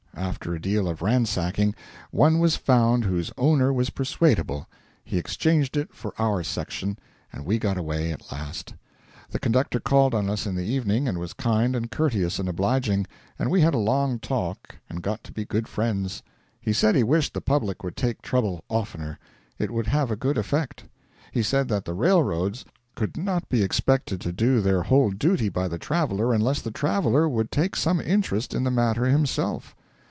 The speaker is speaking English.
After a deal of ransacking, one was found whose owner was persuadable; he exchanged it for our section, and we got away at last. The conductor called on us in the evening, and was kind and courteous and obliging, and we had a long talk and got to be good friends. He said he wished the public would make trouble oftener it would have a good effect. He said that the railroads could not be expected to do their whole duty by the traveller unless the traveller would take some interest in the matter himself.